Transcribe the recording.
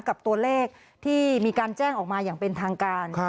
กับตัวเลขที่มีการแจ้งออกมาอย่างเป็นทางการ